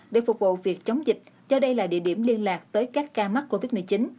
để phục vụ việc chống dịch do đây là địa điểm liên lạc tới các ca mắc covid một mươi chín